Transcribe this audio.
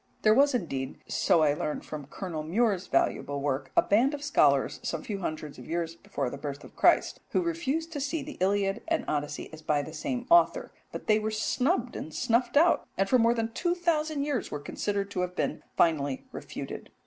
There was, indeed, so I learn from Colonel Mure's valuable work, a band of scholars some few hundreds of years before the birth of Christ, who refused to see the Iliad and Odyssey as by the same author, but they were snubbed and snuffed out, and for more than two thousand years were considered to have been finally refuted.